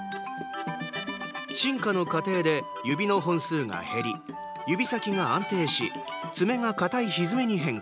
進化の過程で、指の本数が減り指先が安定し爪が硬いひづめに変化。